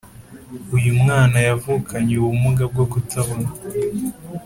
uyumwana yavukanye ubumuga bwokutabona